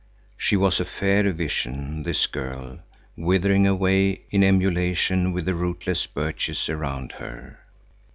She was a fair vision, this girl, withering away in emulation with the rootless birches around her.